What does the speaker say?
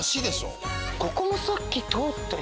ここもさっき通ってる。